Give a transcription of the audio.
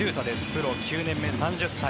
プロ９年目、３０歳。